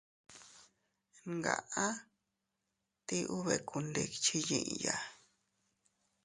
Ngaʼa ti ubekundikchi yiya.